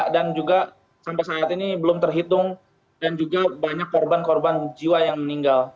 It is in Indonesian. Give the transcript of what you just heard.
dan juga sampai saat ini belum terhitung dan juga banyak korban korban jiwa yang meninggal